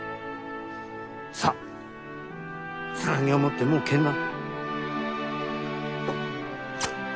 さっつなぎを持ってもう帰んな。